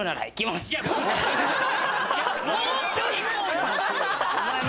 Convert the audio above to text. もうちょい。